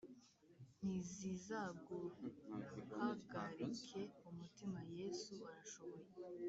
Ntizizaguhagarike umutima yesu arashoboye,